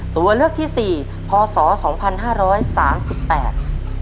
ตัวเลือกที่สี่พศสองพันห้าร้อยสามสิบแปด